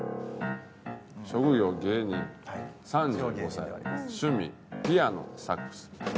「職業芸人３５歳」「趣味ピアノ・サックス」